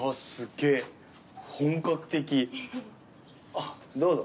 あっどうぞ。